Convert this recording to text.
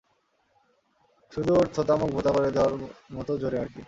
শুধু ওর থোঁতা মুখ ভোঁতা করে দেওয়ার মতো জোরে আরকি।